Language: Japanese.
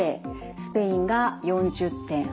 スペインが４０．８。